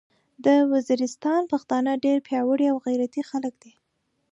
د ویزیریستان پختانه ډیر پیاوړي او غیرتي خلک دې